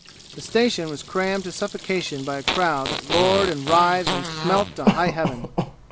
The station was crammed to suffocation by a crowd that roared and writhed and smelt to high heaven.